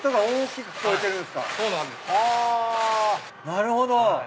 なるほど。